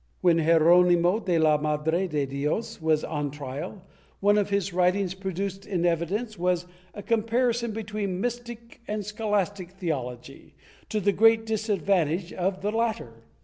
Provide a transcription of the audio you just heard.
When Geronimo de la Madre de Dios was on trial, one of his writings produced in evidence was a comparison between mystic and scholastic theology, to the great disadvantage of the latter.